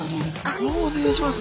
お願いします。